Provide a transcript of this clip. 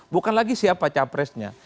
bukan lagi siapa capresnya